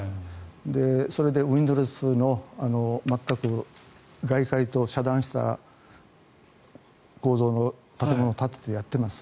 それでウィンドーレスの全く外界と遮断した構造の建物を建ててやっています。